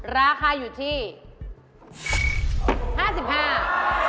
ราคาอยู่ที่๕๕บาท